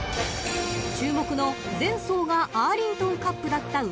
［注目の前走がアーリントンカップだった馬］